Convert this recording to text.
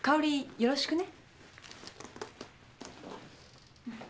よろしくね。